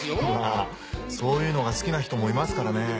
まぁそういうのが好きな人もいますからね。